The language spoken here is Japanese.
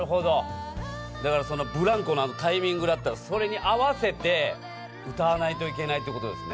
だからブランコのあのタイミングだったらそれに合わせて歌わないといけないってことですね。